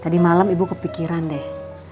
tadi malam ibu kepikiran deh